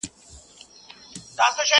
قهر د شینکي اسمان ګوره چي لا څه کیږي.!